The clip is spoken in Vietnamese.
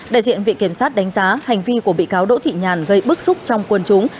đại diện viện kiểm sát đánh giá hành vi của bị cáo đỗ thị nhàn gây bức xúc trong quân chúng